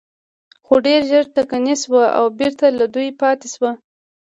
خو ډېر ژر ټکنۍ شوه او بېرته له ودې پاتې شوه.